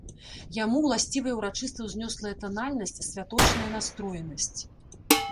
Яму ўласцівая ўрачыста-ўзнёслая танальнасць, святочная настроенасць.